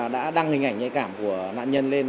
đã đăng hình ảnh nhạy cảm của nạn nhân lên